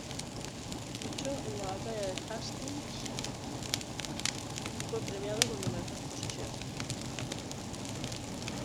Luchó en la Batalla de Hastings y fue premiado con numerosas posesiones.